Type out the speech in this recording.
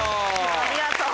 ありがとう！